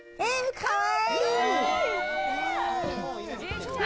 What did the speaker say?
かわいい。